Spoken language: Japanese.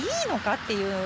っていう。